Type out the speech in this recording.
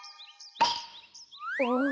ああ。